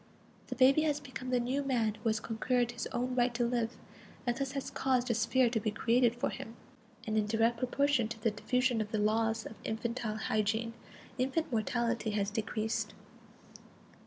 The baby has become the new man who has conquered his own right to live, and thus has caused a sphere to be created for him. And in direct proportion to the diffusion of the laws of infantile hygiene, infant mortality has decreased.